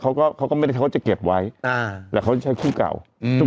เขาก็เขาก็ไม่ได้เขาจะเก็บไว้อ่าแต่เขาจะใช้คู่เก่าอืม